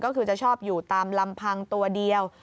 ก็คือจะชอบอยู่ตามลำพังตัวเดียว